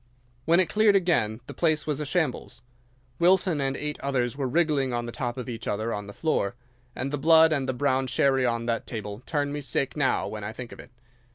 When it cleared again the place was a shambles. Wilson and eight others were wriggling on the top of each other on the floor, and the blood and the brown sherry on that table turn me sick now when I think of it.